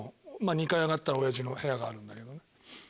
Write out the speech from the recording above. ２階上がったら親父の部屋があるんだけど。